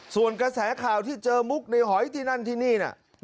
ส่วนกระแสข่าวที่เจอมุกในหอยที่นั่นที่นี่น่ะ